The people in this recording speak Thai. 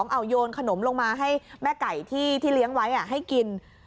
เอาโยนขนมลงมาให้แม่ไก่ที่เลี้ยงไว้ให้กิน